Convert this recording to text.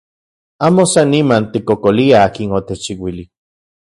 Amo san niman tikkokoliaj akin otechchiuili.